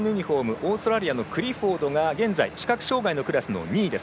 オーストラリアのクリフォードが現在視覚障がいのクラスの２位です。